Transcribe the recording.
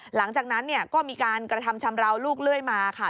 หลังจากนั้นก็มีการกระทำชำราวลูกเรื่อยมาค่ะ